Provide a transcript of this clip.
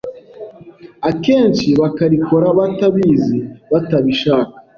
akenshi bakarikora batabizi batabishaka